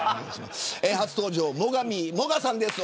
初登場、最上もがさんです。